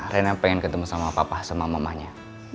rena pengen ketemu sama papa sama mamanya